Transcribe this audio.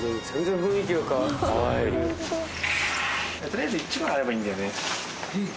とりあえず１枚あればいいんだよね。